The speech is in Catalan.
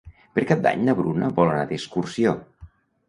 Per Cap d'Any na Bruna vol anar d'excursió.